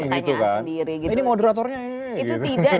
mungkin yang diharapkan oleh masyarakat itu